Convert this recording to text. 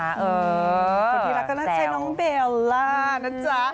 คนที่รักก็น่าใช่น้องเบลล่านะจ๊ะ